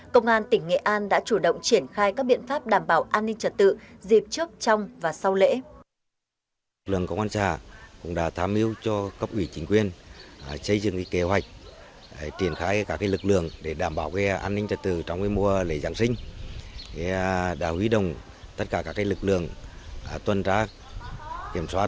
công an tỉnh nghệ an đã chủ động triển khai các biện pháp đảm bảo an ninh trật tự dịp trước trong và sau lễ